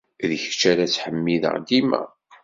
D kečč ara ttḥemmideɣ dima.